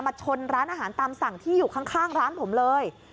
ชนร้านอาหารตามสั่งที่อยู่ข้างร้านผมเลย